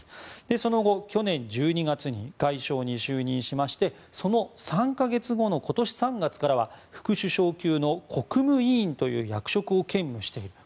その後、去年１２月に外相に就任しましてその３か月後の今年３月からは副首相級の国務委員という役職を兼務していると。